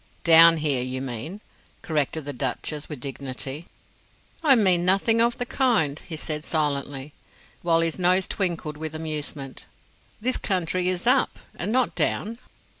"Down here, you mean," corrected the Duchess, with dignity. "I mean nothing of the kind," he said, silently, while his nose twinkled with amusement; "this country is up, and not down."